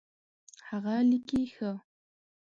هغه لیکي ښه